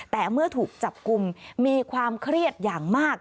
แต่เมื่อถูกจับกลุ่มมีความเครียดอย่างมาก